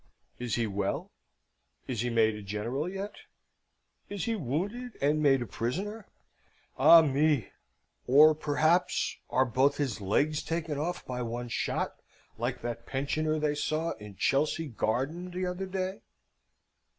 Is he well? Is he made a General yet? Is he wounded and made a prisoner? ah me! or, perhaps, are both his legs taken off by one shot, like that pensioner they saw in Chelsea Garden t'other day?